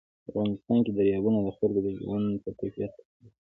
په افغانستان کې دریابونه د خلکو د ژوند په کیفیت تاثیر کوي.